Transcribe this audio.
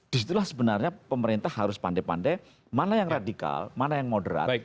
disitulah sebenarnya pemerintah harus pandai pandai mana yang radikal mana yang moderat